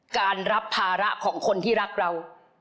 การรับภาระของคนที่รักเรา